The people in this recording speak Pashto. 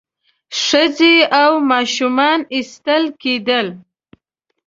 ښځې او ماشومان ایستل کېدل.